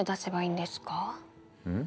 うん？